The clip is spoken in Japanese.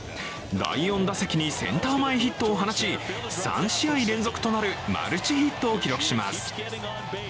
第４打席にセンター前ヒットを放ち３試合連続となるマルチヒットを記録します。